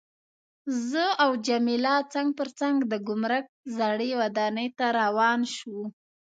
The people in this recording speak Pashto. زه او جميله څنګ پر څنګ د ګمرک زړې ودانۍ ته روان شوو.